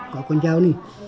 có con dao này